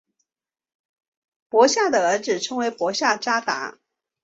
帕夏的儿子称为帕夏札达。